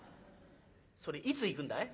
「それいつ行くんだい？」。